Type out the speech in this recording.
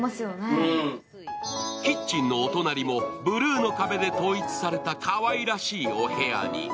キッチンのお隣もブルーの壁で統一されたかわいらしいお部屋に。